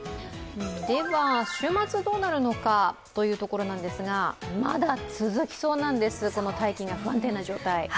では、週末どうなるのかというところなんですが、まだ続きそうなんです、この大気が不安定な状態。